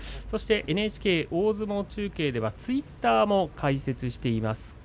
ＮＨＫ大相撲中継では公式ツイッターを開設しています。